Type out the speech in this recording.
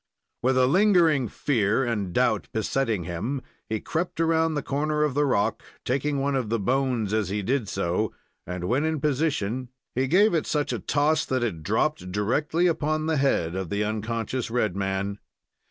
With a lingering fear and doubt besetting him, he crept around the corner of the rock, taking one of the bones as he did so, and, when in position, he gave it such a toss that it dropped directly upon the head of the unconscious red man.